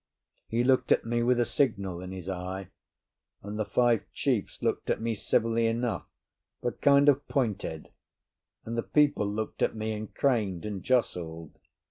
He looked at me with a signal in his eye; and the five chiefs looked at me civilly enough, but kind of pointed; and the people looked at me and craned and jostled.